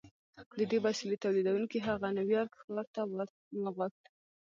د دې وسیلې تولیدوونکي هغه نیویارک ښار ته ور وغوښت